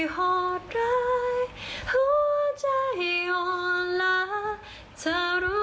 แปลวแปลวแปลวแปลว